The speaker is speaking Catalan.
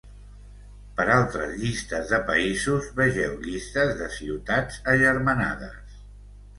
Per altres llistes de països, vegeu llistes de ciutats agermanades.